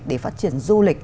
để phát triển du lịch